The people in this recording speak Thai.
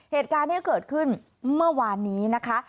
เหตุการณ์ที่เกิดขึ้นเมื่อวานนี้นะคะ